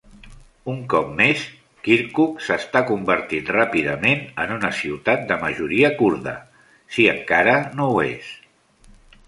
Un cop més, Kirkuk s'està convertint ràpidament en una ciutat de majoria kurda, si encara no ho és.